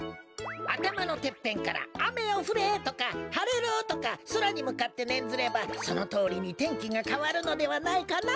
あたまのてっぺんから「あめよふれ！」とか「はれろ！」とかそらにむかってねんずればそのとおりに天気がかわるのではないかな？